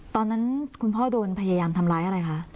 ตอนนั้นคุณพ่อโดนพยายามทำร้ายอะไรคะ